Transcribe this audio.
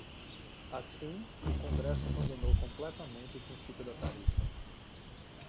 Assim, o congresso abandonou completamente o princípio da tarifa.